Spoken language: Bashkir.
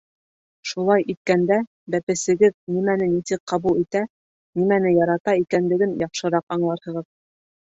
Шулай иткәндә, бәпесегеҙ нимәне нисек ҡабул итә, нимәне ярата икәнлеген яҡшыраҡ аңларһығыҙ.